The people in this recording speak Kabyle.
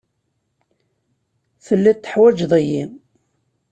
Telliḍ teḥwajeḍ-iyi.